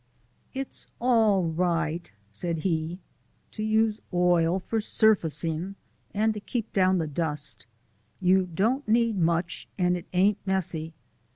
"It's all right," said he, "to use oil for surfacin' and to keep down the dust. You don't need much and it ain't messy.